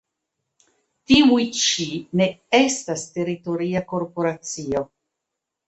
Tiuj ĉi ne estas teritoria korporacio.